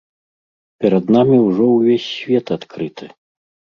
Перад намі ўжо ўвесь свет адкрыты.